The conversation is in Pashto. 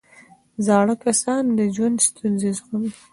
زاړه کسان د ژوند ستونزې زغمي